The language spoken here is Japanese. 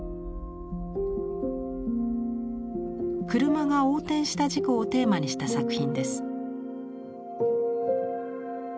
車が横転した事故をテーマにした作品です。